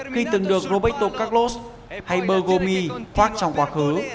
khi từng được roberto carlos hay bergomi khoác trong quá khứ